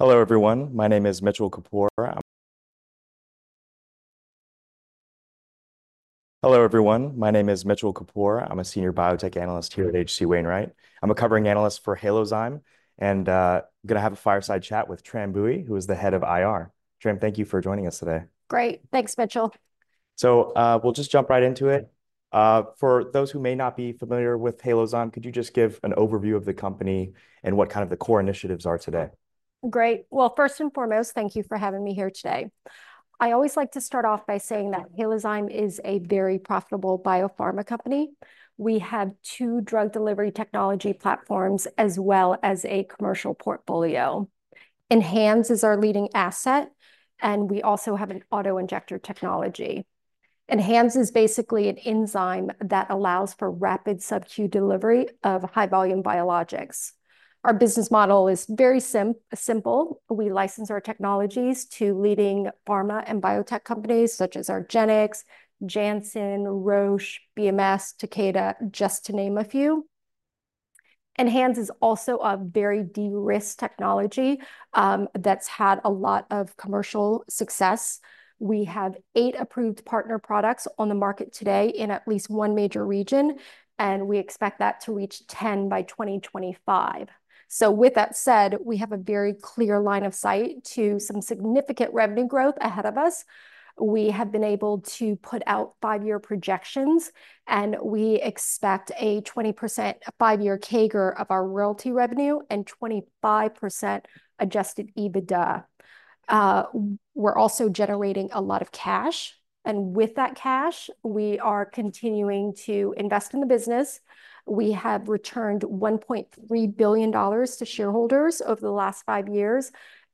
Hello, everyone. My name is Mitchell Kapoor. I'm a Senior Biotech Analyst here at H.C. Wainwright. I'm a covering analyst for Halozyme, and gonna have a fireside chat with Tram Bui, who is the Head of IR. Tram, thank you for joining us today. Great. Thanks, Mitchell. We'll just jump right into it. For those who may not be familiar with Halozyme, could you just give an overview of the company and what kind of the core initiatives are today? Great. Well, first and foremost, thank you for having me here today. I always like to start off by saying that Halozyme is a very profitable biopharma company. We have two drug delivery technology platforms, as well as a commercial portfolio. ENHANZE is our leading asset, and we also have an auto-injector technology. ENHANZE is basically an enzyme that allows for rapid sub-Q delivery of high-volume biologics. Our business model is very simple. We license our technologies to leading pharma and biotech companies such as argenx, Janssen, Roche, BMS, Takeda, just to name a few. ENHANZE is also a very de-risked technology, that's had a lot of commercial success. We have eight approved partner products on the market today in at least one major region, and we expect that to reach 10 by 2025. So with that said, we have a very clear line of sight to some significant revenue growth ahead of us. We have been able to put out five-year projections, and we expect a 20% five-year CAGR of our royalty revenue and 25% adjusted EBITDA. We're also generating a lot of cash, and with that cash, we are continuing to invest in the business. We have returned $1.3 billion to shareholders over the last five years,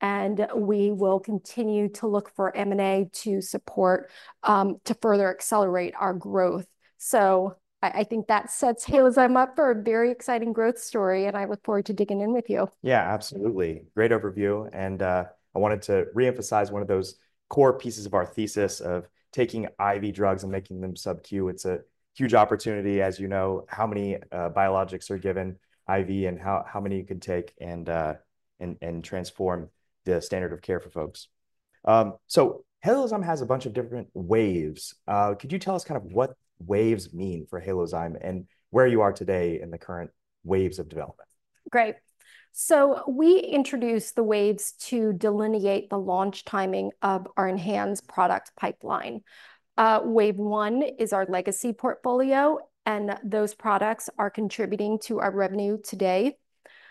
and we will continue to look for M&A to support to further accelerate our growth. So I think that sets Halozyme up for a very exciting growth story, and I look forward to digging in with you. Yeah, absolutely. Great overview, and I wanted to re-emphasize one of those core pieces of our thesis of taking IV drugs and making them sub-Q. It's a huge opportunity, as you know, how many biologics are given IV and how many you could take and transform the standard of care for folks. So Halozyme has a bunch of different waves. Could you tell us kind of what waves mean for Halozyme and where you are today in the current waves of development? Great. So we introduced the waves to delineate the launch timing of our ENHANZE product pipeline. Wave One is our legacy portfolio, and those products are contributing to our revenue today.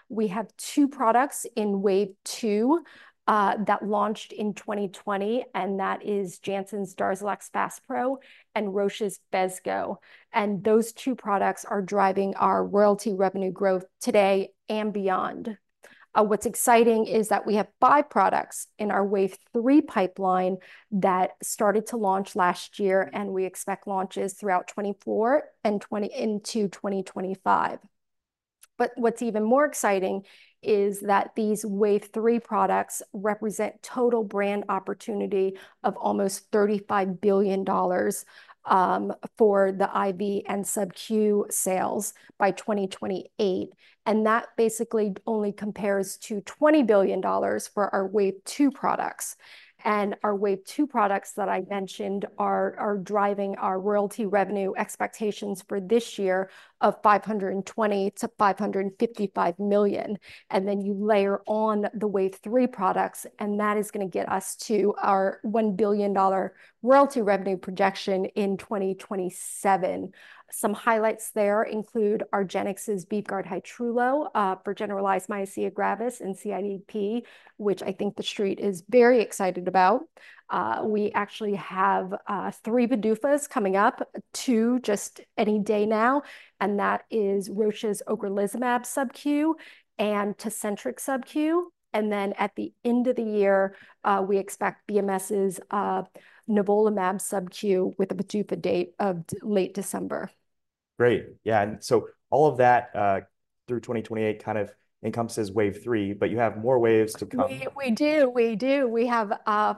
We have two products in Wave Two that launched in 2020, and that is Janssen's DARZALEX FASPRO and Roche's PHESGO. And those two products are driving our royalty revenue growth today and beyond. What's exciting is that we have five products in our Wave Three pipeline that started to launch last year, and we expect launches throughout 2024 and into 2025. But what's even more exciting is that these Wave Three products represent total brand opportunity of almost $35 billion for the IV and sub-Q sales by 2028, and that basically only compares to $20 billion for our Wave Two products. Our Wave Two products that I mentioned are driving our royalty revenue expectations for this year of $520 million-$555 million, and then you layer on the Wave Three products, and that is gonna get us to our $1 billion royalty revenue projection in 2027. Some highlights there include argenx's VYVGART Hytrulo for generalized myasthenia gravis and CIDP, which I think the Street is very excited about. We actually have three PDUFAs coming up, two just any day now, and that is Roche's ocrelizumab sub-Q and TECENTRIQ sub-Q, and then at the end of the year, we expect BMS' nivolumab sub-Q with a PDUFA date of late December. Great. Yeah, and so all of that through 2028 kind of encompasses Wave Three, but you have more waves to come. We, we do. We do. We have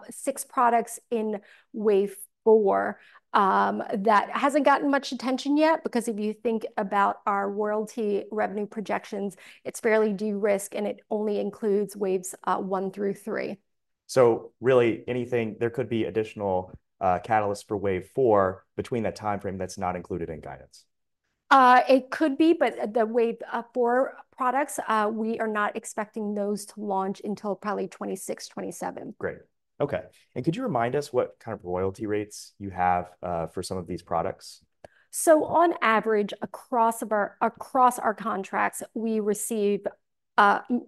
six products in Wave Four that hasn't gotten much attention yet because if you think about our royalty revenue projections, it's fairly de-risked, and it only includes waves one through three. So really anything... There could be additional catalysts for Wave Four between that timeframe that's not included in guidance? It could be, but the Wave Four products, we are not expecting those to launch until probably 2026-2027. Great. Okay, and could you remind us what kind of royalty rates you have for some of these products? On average, across our contracts, we receive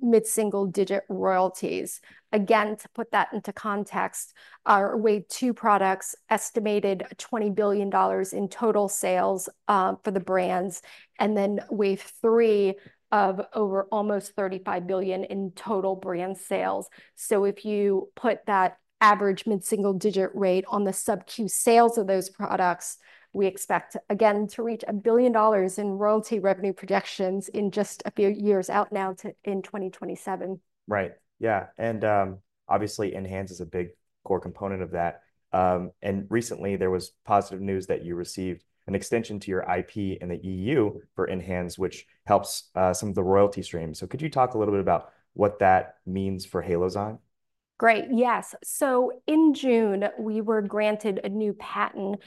mid-single-digit royalties. Again, to put that into context, our Wave Two products estimated $20 billion in total sales for the brands, and then Wave Three of over almost $35 billion in total brand sales. If you put that average mid-single-digit rate on the sub-Q sales of those products, we expect, again, to reach $1 billion in royalty revenue projections in just a few years out now in 2027. Right. Yeah, and, obviously, ENHANZE is a big core component of that. And recently there was positive news that you received an extension to your IP in the EU for ENHANZE, which helps some of the royalty streams. So could you talk a little bit about what that means for Halozyme? Great. Yes, so in June, we were granted a new patent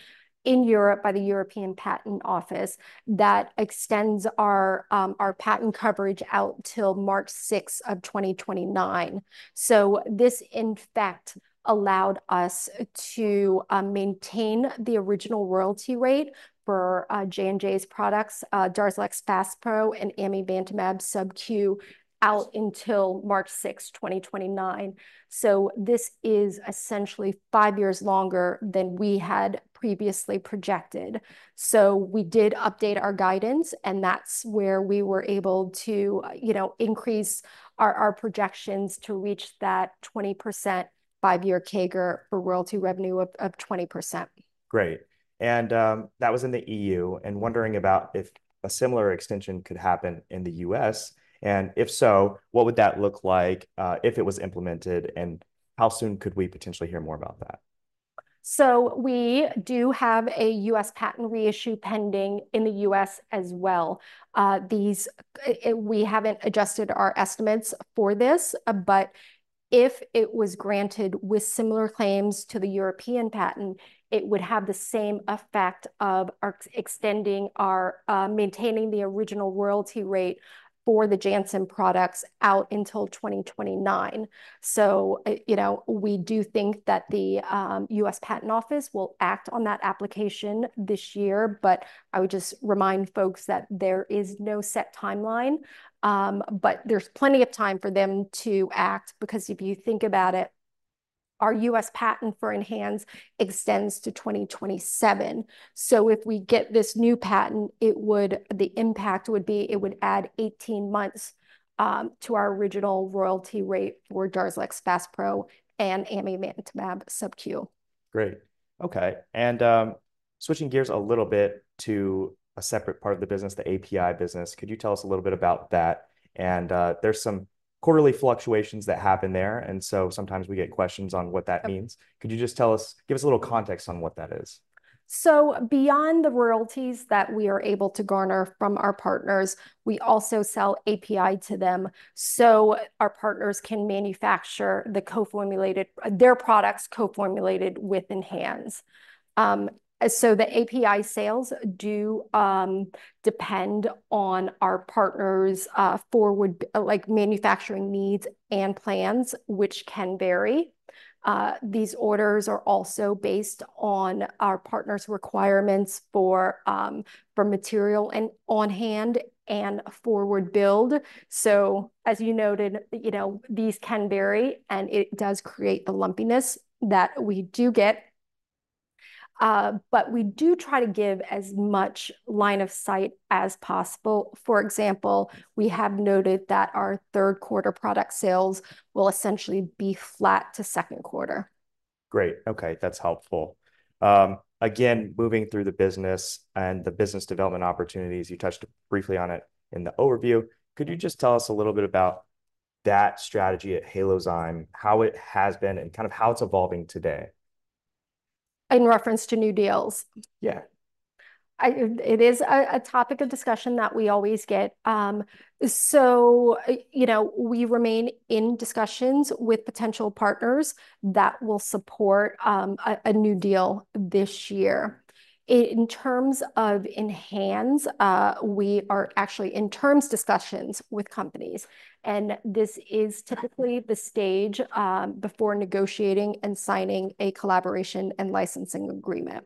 in Europe by the European Patent Office that extends our, our patent coverage out till March 6th of 2029. So this, in fact, allowed us to, maintain the original royalty rate for, J&J's products, DARZALEX FASPRO and amivantamab sub-Q, out until March 6th, 2029. So this is essentially five years longer than we had previously projected. So we did update our guidance, and that's where we were able to, you know, increase our, our projections to reach that 20% five-year CAGR for royalty revenue of 20%. Great. And, that was in the EU, and wondering about if a similar extension could happen in the U.S., and if so, what would that look like, if it was implemented, and how soon could we potentially hear more about that? We do have a U.S. patent reissue pending in the U.S. as well. We haven't adjusted our estimates for this, but if it was granted with similar claims to the European patent, it would have the same effect of maintaining the original royalty rate for the Janssen products out until 2029. You know, we do think that the U.S. Patent Office will act on that application this year, but I would just remind folks that there is no set timeline. There's plenty of time for them to act because if you think about it, our U.S. patent for ENHANZE extends to 2027. If we get this new patent, the impact would be, it would add 18 months to our original royalty rate for DARZALEX FASPRO and amivantamab sub-Q. Great. Okay, and, switching gears a little bit to a separate part of the business, the API business, could you tell us a little bit about that? And, there's some quarterly fluctuations that happen there, and so sometimes we get questions on what that means. Yep. Could you just tell us, give us a little context on what that is? So beyond the royalties that we are able to garner from our partners, we also sell API to them, so our partners can manufacture the co-formulated, their products co-formulated with ENHANZE. So the API sales do depend on our partners' forward, like, manufacturing needs and plans, which can vary. These orders are also based on our partners' requirements for material and on hand and forward build. So as you noted, you know, these can vary, and it does create the lumpiness that we do get. But we do try to give as much line of sight as possible. For example, we have noted that our third quarter product sales will essentially be flat to second quarter. Great, okay. That's helpful. Again, moving through the business and the business development opportunities, you touched briefly on it in the overview. Could you just tell us a little bit about that strategy at Halozyme, how it has been, and kind of how it's evolving today? In reference to new deals? Yeah. It is a topic of discussion that we always get, so you know, we remain in discussions with potential partners that will support a new deal this year. In terms of ENHANZE, we are actually in terms of discussions with companies, and this is typically the stage before negotiating and signing a collaboration and licensing agreement.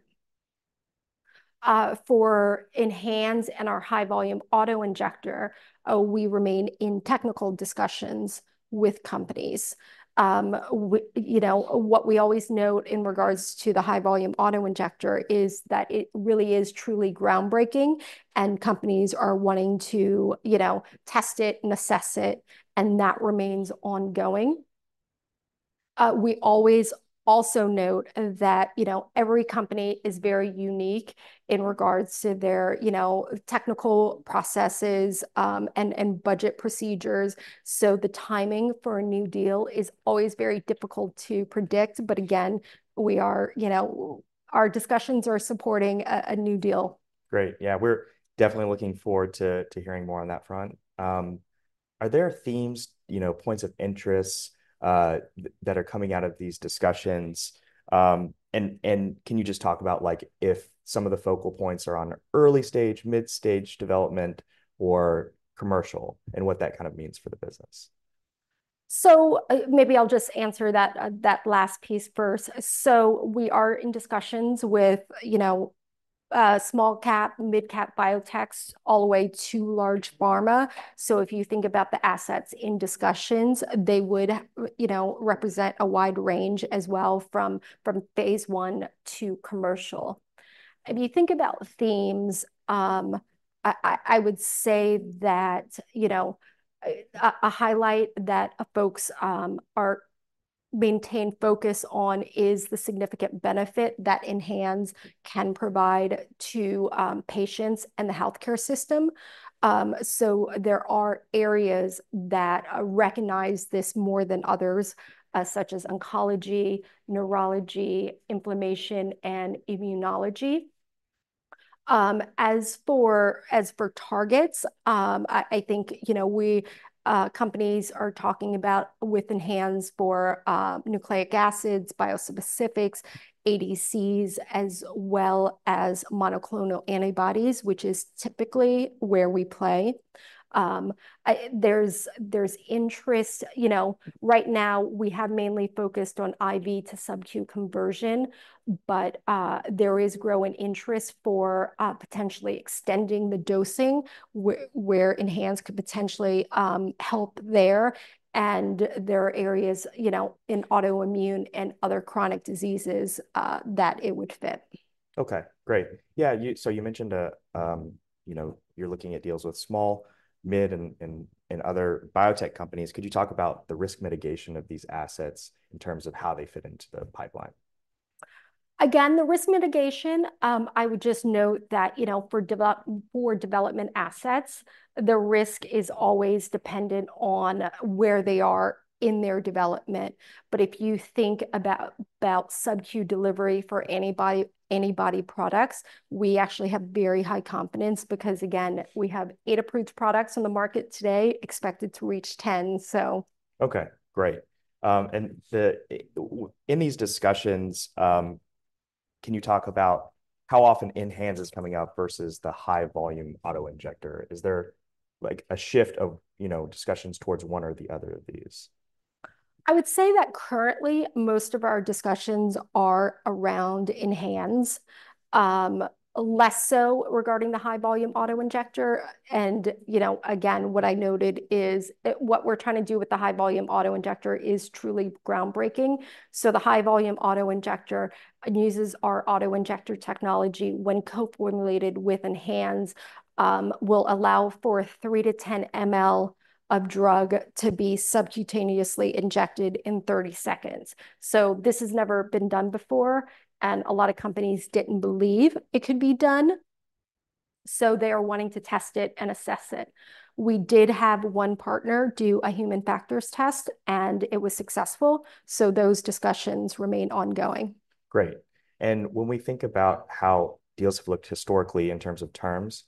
For ENHANZE and our high-volume auto-injector, we remain in technical discussions with companies. You know, what we always note in regards to the high-volume auto-injector is that it really is truly groundbreaking, and companies are wanting to, you know, test it, assess it, and that remains ongoing. We always also note that, you know, every company is very unique in regards to their, you know, technical processes, and budget procedures, so the timing for a new deal is always very difficult to predict. But again, we are... You know, our discussions are supporting a new deal. Great. Yeah, we're definitely looking forward to hearing more on that front. Are there themes, you know, points of interest, that are coming out of these discussions? And can you just talk about, like, if some of the focal points are on early stage, mid-stage development or commercial, and what that kind of means for the business? So, maybe I'll just answer that last piece first. So we are in discussions with, you know, small cap, mid-cap biotechs, all the way to large pharma. So if you think about the assets in discussions, they would, you know, represent a wide range as well, from phase I to commercial. If you think about themes, I would say that, you know, a highlight that folks are maintaining focus on is the significant benefit that ENHANZE can provide to patients and the healthcare system. So there are areas that recognize this more than others, such as oncology, neurology, inflammation, and immunology. As for targets, I think, you know, companies are talking about with ENHANZE for nucleic acids, bispecifics, ADCs, as well as monoclonal antibodies, which is typically where we play. There's interest. You know, right now we have mainly focused on IV to sub-Q conversion, but there is growing interest for potentially extending the dosing, where ENHANZE could potentially help there, and there are areas, you know, in autoimmune and other chronic diseases, that it would fit. Okay, great. Yeah, so you mentioned, you know, you're looking at deals with small, mid, and other biotech companies. Could you talk about the risk mitigation of these assets in terms of how they fit into the pipeline? Again, the risk mitigation, I would just note that, you know, for development assets, the risk is always dependent on where they are in their development. But if you think about sub-Q delivery for antibody products, we actually have very high confidence because, again, we have eight approved products on the market today, expected to reach 10, so. Okay, great. In these discussions, can you talk about how often ENHANZE is coming out versus the high-volume auto-injector? Is there, like, a shift of, you know, discussions towards one or the other of these? I would say that currently most of our discussions are around ENHANZE, less so regarding the high-volume auto-injector. You know, again, what I noted is what we're trying to do with the high-volume auto-injector is truly groundbreaking. The high-volume auto-injector uses our auto-injector technology when co-formulated with ENHANZE will allow for 3 ml-10 ml of drug to be subcutaneously injected in 30 seconds. This has never been done before, and a lot of companies didn't believe it could be done, so they are wanting to test it and assess it. We did have one partner do a human factors test, and it was successful, so those discussions remain ongoing. Great. And when we think about how deals have looked historically in terms of terms,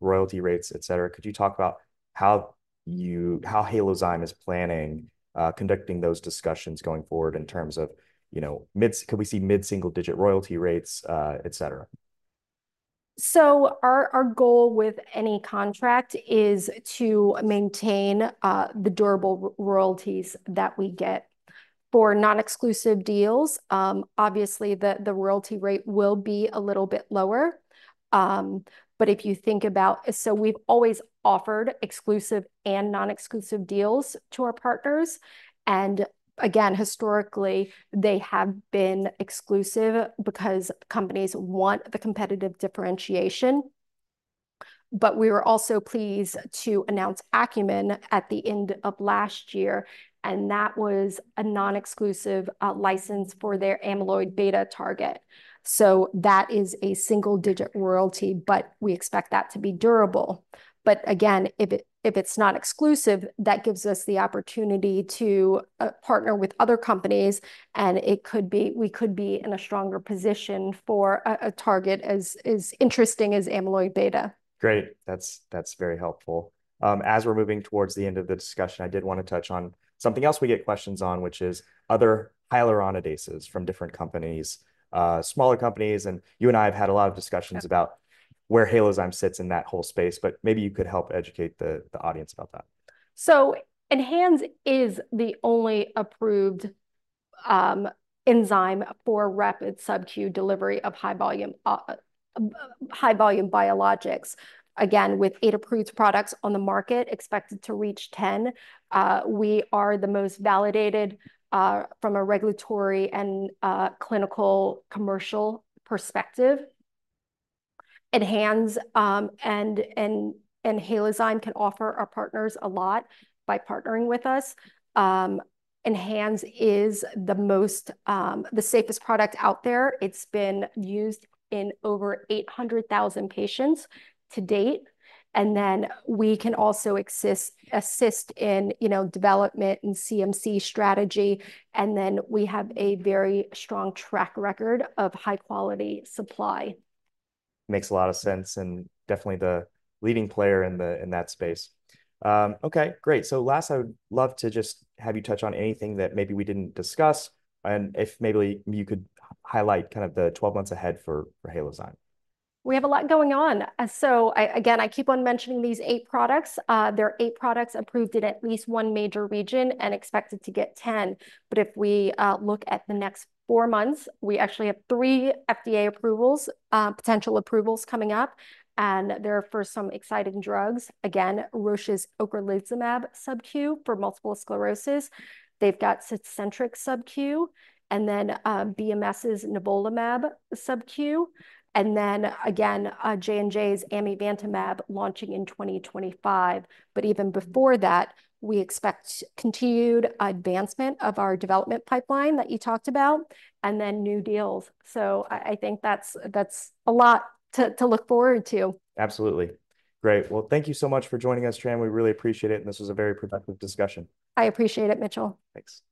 royalty rates, et cetera, could you talk about how Halozyme is planning, conducting those discussions going forward in terms of, you know, could we see mid-single-digit royalty rates, et cetera? Our goal with any contract is to maintain the durable royalties that we get. For non-exclusive deals, obviously, the royalty rate will be a little bit lower. But if you think about, we've always offered exclusive and non-exclusive deals to our partners, and again, historically, they have been exclusive because companies want the competitive differentiation. We were also pleased to announce Acumen at the end of last year, and that was a non-exclusive license for their amyloid beta target. That is a single-digit royalty, but we expect that to be durable. Again, if it's not exclusive, that gives us the opportunity to partner with other companies, and it could be we could be in a stronger position for a target as interesting as amyloid beta. Great. That's, that's very helpful. As we're moving towards the end of the discussion, I did want to touch on something else we get questions on, which is other hyaluronidases from different companies, smaller companies, and you and I have had a lot of discussions- Yeah... about where Halozyme sits in that whole space, but maybe you could help educate the audience about that. ENHANZE is the only approved enzyme for rapid sub-Q delivery of high-volume biologics. Again, with eight approved products on the market, expected to reach 10, we are the most validated from a regulatory and clinical commercial perspective. ENHANZE and Halozyme can offer our partners a lot by partnering with us. ENHANZE is the most, the safest product out there. It's been used in over 800,000 patients to date, and then we can also assist in, you know, development and CMC strategy, and then we have a very strong track record of high-quality supply. Makes a lot of sense, and definitely the leading player in that space. Okay, great. So last, I would love to just have you touch on anything that maybe we didn't discuss, and if maybe you could highlight kind of the 12 months ahead for Halozyme. We have a lot going on. So again, I keep on mentioning these eight products. There are eight products approved in at least one major region and expected to get 10. But if we look at the next four months, we actually have three FDA approvals, potential approvals coming up, and they're for some exciting drugs. Again, Roche's ocrelizumab sub-Q for multiple sclerosis. They've got TECENTRIQ sub-Q, and then, BMS' nivolumab sub-Q, and then again, J&J's amivantamab launching in 2025. But even before that, we expect continued advancement of our development pipeline that you talked about, and then new deals. So I think that's a lot to look forward to. Absolutely. Great. Well, thank you so much for joining us, Tram. We really appreciate it, and this was a very productive discussion. I appreciate it, Mitchell. Thanks.